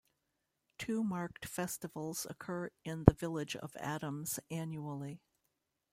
Two marked festivals occur in the village of Adams annually.